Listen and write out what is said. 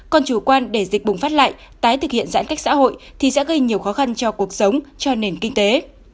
còn chủ quan để dịch bùng phát lại tái thực hiện giãn cách xã hội thì sẽ gây nhiều khó khăn cho cuộc sống cho nền kinh tế